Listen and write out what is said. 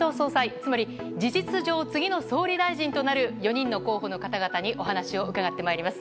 つまり、事実上次の総理大臣となる４人の候補の方々にお話を伺ってまいります。